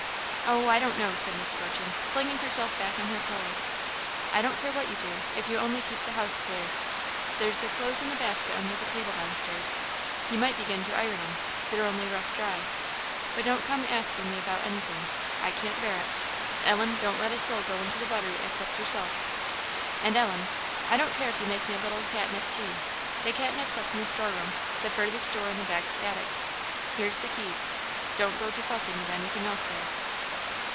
"Oh, I don't know!" said Miss Fortune, flinging herself back on her pillow; "I don't care what you do, if you only keep the house clear. There's the clothes in the basket under the table downstairs you might begin to iron 'em; they're only rough dry. But don't come asking me about anything; I can't bear it. Ellen, don't let a soul go into the buttery except yourself. And, Ellen! I don't care if you make me a little catnip tea: the catnip's up in the store room the furthest door in the back attic here's the keys. Don't go to fussing with anything else there."